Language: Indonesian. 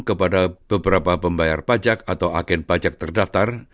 kepada beberapa pembayar pajak atau agen pajak terdaftar